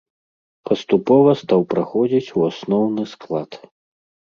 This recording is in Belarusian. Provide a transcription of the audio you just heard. Паступова стаў праходзіць у асноўны склад.